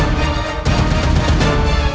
aku akan mencari dia